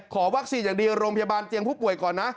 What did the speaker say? ขอวัคซีนอย่างดีโรงพยาบาลเตียงผู้ป่วยก่อนนะ